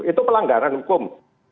itu pelanggaran hukum